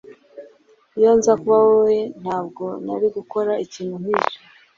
Iyo nza kuba wowe, ntabwo nari gukora ikintu nkicyo.